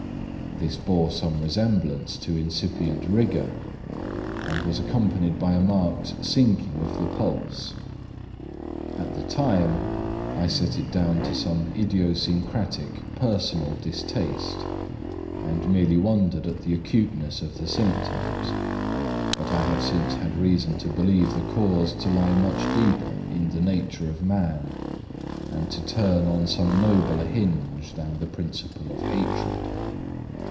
This bore some resemblance to incipient rigour, and was accompanied by a marked sinking of the pulse. At the time, I set it down to some idiosyncratic, personal distaste, and merely wondered at the acuteness of the symptoms; but I have since had reason to believe the cause to lie much deeper in the nature of man, and to turn on some nobler hinge than the principle of hatred.